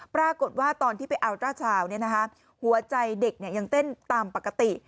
ปรากฏว่าตอนที่ไปอัลตราชาวหัวใจเด็กยังเต้นตามปกติ